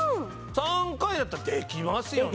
３回だったらできますよね？